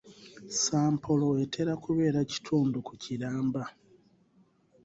Sampolo etera kubeera kitundu ku kiramba.